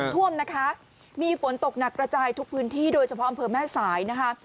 ท่วมนะคะมีฝนตกหนักกระจายทุกพื้นที่โดยเฉพาะอำเภอแม่สายนะคะ